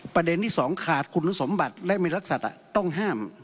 ประเด็นที่๒ขาดคุณสมบัติและมีลักษณะต้องห้าม